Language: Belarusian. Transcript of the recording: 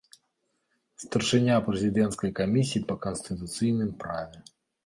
Старшыня прэзідэнцкай камісіі па канстытуцыйным праве.